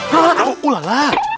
ya allah ulala